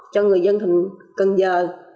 cho người dân thành cần giơ